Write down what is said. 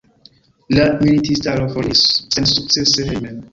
La militistaro foriris sensukcese hejmen.